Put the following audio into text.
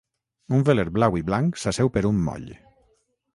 Un veler blau i blanc s'asseu per un moll.